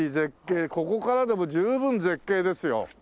ここからでも十分絶景ですよ。